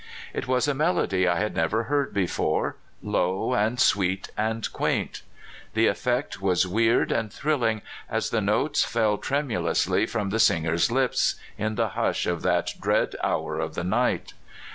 It was a melody I had never heard before — low and sweet and quaint. The effect was weird and thrilling as the notes fell tremulously from the sing er's lips in the hush of that dead hour of the night.